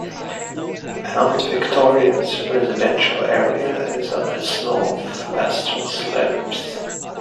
Mount Victoria's residential area is on its north-western slopes.